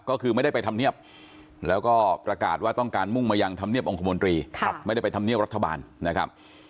ก็คือไม่ได้ไปทำเนียบแล้วก็ประกาศว่าต้องการมุ่งมายังธรรมเนียบองคมนตรีไม่ได้ไปทำเนียบรัฐบาลนะครับ